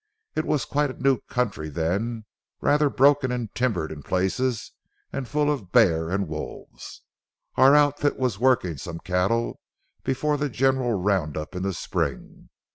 It was quite a new country then, rather broken and timbered in places and full of bear and wolves. Our outfit was working some cattle before the general round up in the spring.